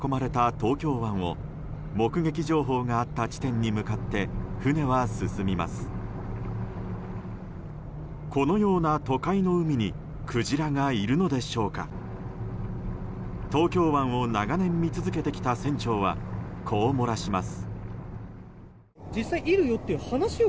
東京湾を長年見続けてきた船長はこう漏らします。